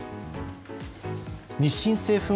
日清製粉